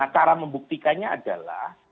cara membuktikannya adalah